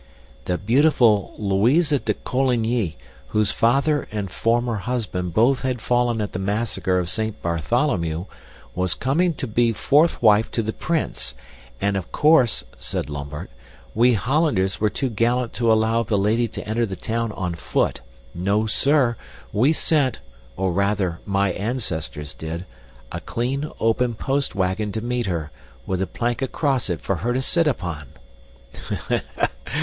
"The beautiful Louisa de Coligny, whose father and former husband both had fallen at the massacre of St. Bartholomew, was coming to be fourth wife to the Prince, and of course," said Lambert, "we Hollanders were too gallant to allow the lady to enter the town on foot. No, sir, we sent or rather my ancestors did a clean, open post wagon to meet her, with a plank across it for her to sit upon!"